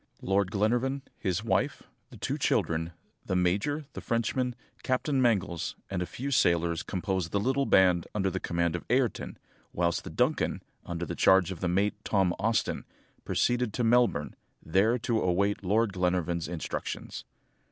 Lord Glenarvan, his wife, the two children, the major, the Frenchman, Captain Mangles, and a few sailors composed the little band under the command of Ayrton, whilst the Duncan, under charge of the mate, Tom Austin, proceeded to Melbourne, there to await Lord Glenarvan's instructions.